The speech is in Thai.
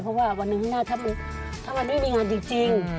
เพราะว่าวันหนึ่งข้างหน้าถ้ามันไม่มีงานจริง